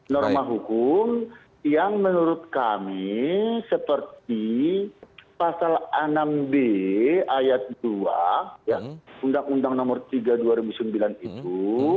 norma hukum yang menurut kami seperti pasal enam b ayat dua undang undang nomor tiga dua ribu sembilan itu